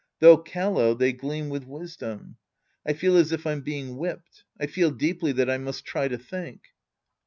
Though callow, they gleam with wisdom. I feel as if I'm being whipped. I feel deeply that I must try to think.